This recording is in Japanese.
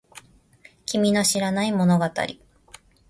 君の知らない物語